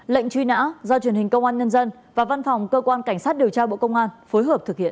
lệnh truy nã do truyền hình công an nhân dân và văn phòng cơ quan cảnh sát điều tra bộ công an phối hợp thực hiện